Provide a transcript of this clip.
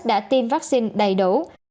đã tiêm vaccine đầy đủ